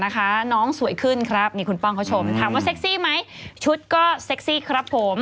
น้องสวยขึ้นครับนี่คุณป้องเขาชมถามว่าเซ็กซี่ไหมชุดก็เซ็กซี่ครับผม